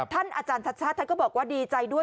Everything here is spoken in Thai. ท่านอาจารย์ชัดชาติก็บอกว่าดีใจด้วย